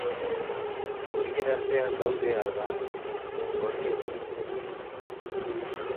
Horien artean daude alga arre, gorri eta berdeak.